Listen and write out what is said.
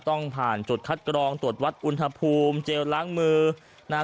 ต้องผ่านจุดคัดกรองตรวจวัดอุณหภูมิเจลล้างมือนะฮะ